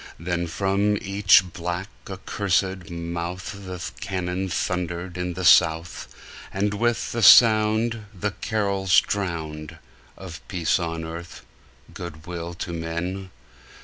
Then from each black, accursed mouth The cannon thundered in the South, And with the sound The carols drowned Of peace on earth, good will to men!